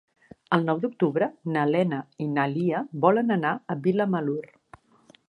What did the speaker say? El nou d'octubre na Lena i na Lia volen anar a Vilamalur.